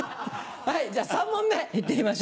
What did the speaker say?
はいじゃあ３問目行ってみましょう。